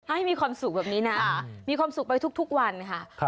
ให้มีความสุขแบบนี้นะมีความสุขไปทุกวันค่ะ